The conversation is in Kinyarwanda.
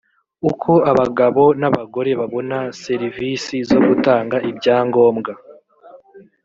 uko abagabo n abagore babona serivisi zo gutanga ibyangombwa